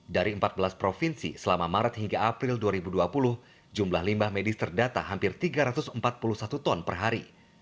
dari empat belas provinsi selama maret hingga april dua ribu dua puluh jumlah limbah medis terdata hampir tiga ratus empat puluh satu ton per hari